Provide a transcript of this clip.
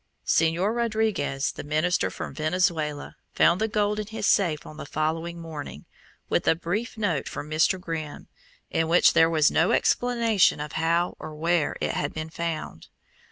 Señor Rodriguez, the minister from Venezuela, found the gold in his safe on the following morning, with a brief note from Mr. Grimm, in which there was no explanation of how or where it had been found....